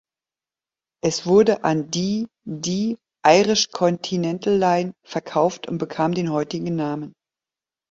Es wurde an die die "Irish Continental Line" verkauft und bekam den heutigen Namen.